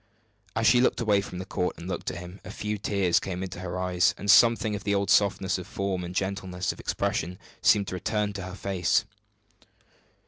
As she looked away from the court and looked at him, a few tears came into her eyes, and something of the old softness of form and gentleness of expression seemed to return to her face.